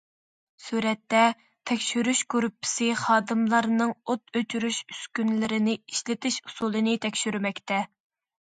سۈرەتتە: تەكشۈرۈش گۇرۇپپىسى خادىملارنىڭ ئوت ئۆچۈرۈش ئۈسكۈنىلىرىنى ئىشلىتىش ئۇسۇلىنى تەكشۈرمەكتە.